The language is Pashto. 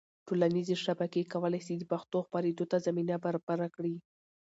ټولنیزې شبکې کولی سي د پښتو خپرېدو ته زمینه برابره کړي.